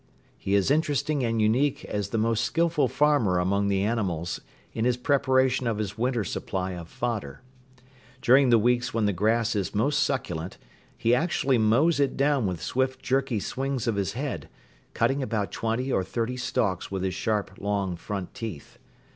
He is interesting and unique as the most skilful farmer among the animals in his preparation of his winter supply of fodder. During the weeks when the grass is most succulent he actually mows it down with swift jerky swings of his head, cutting about twenty or thirty stalks with his sharp long front teeth.